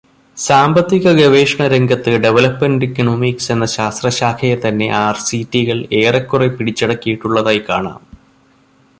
സാമ്പത്തികഗവേഷണരംഗത്ത് “development economics” എന്ന ശാസ്ത്രശാഖയെത്തന്നെ ആർസിറ്റികൾ ഏറെക്കുറെ പിടിച്ചടക്കിയിട്ടുള്ളതായി കാണാം.